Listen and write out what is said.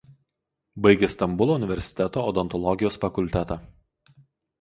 Baigė Stambulo universiteto odontologijos fakultetą.